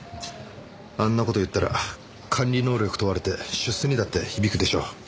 あんな事言ったら管理能力問われて出世にだって響くでしょう。